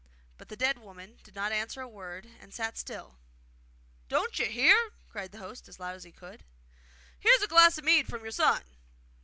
But the dead woman did not answer a word, and sat still. 'Don't you hear?' cried the host as loud as he could. 'Here is a glass of mead from your son!